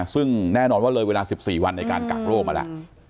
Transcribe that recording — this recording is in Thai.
ซึ่งแน่นอนว่าเลยเวลา๑๔วันในการกักโรคมาแล้ว